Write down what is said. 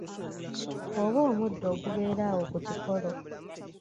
Oba omuddo ogubeera awo ku kikolo.